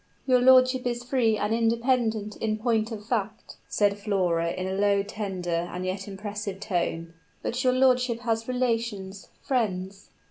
"Your lordship is free and independent in point of fact," said Flora, in a low, tender and yet impressive tone; "but your lordship has relations friends."